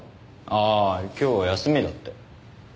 ああ今日休みだって。